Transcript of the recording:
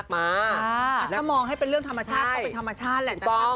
ถ้ามองให้เป็นเรื่องธรรมชาติก็เป็นธรรมชาติแหละนะคะ